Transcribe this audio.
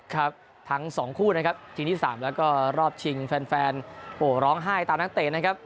ครับทั้งสองคู่นะครับทีที่๓แล้วก็รอบชิงแฟนโอ้โหร้องไห้ตามนักเตะนะครับ